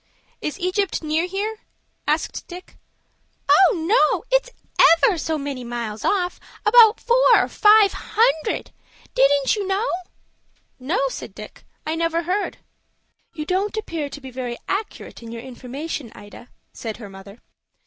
"Is Egypt near here?" asked Dick. "Oh, no, it's ever so many miles off; about four or five hundred. Didn't you know?" "No," said Dick. "I never heard." "You don't appear to be very accurate in your information, Ida," said her mother.